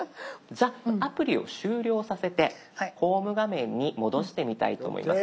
じゃあアプリを終了させてホーム画面に戻してみたいと思います。